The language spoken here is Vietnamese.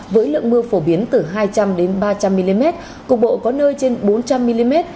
với lượng mưa phổ biến từ hai trăm linh ba trăm linh mm cục bộ có nơi trên bốn trăm linh mm